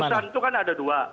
putusan itu kan ada dua